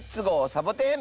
サボテン」。